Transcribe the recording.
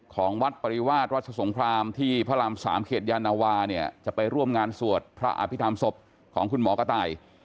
ของวัดปริวาสวัชสงครามที่พระราม๓เขตยานวาเนี่ยจะไปร่วมงานสวดพระอภิษฐรรมศพของคุณหมอกระต่าย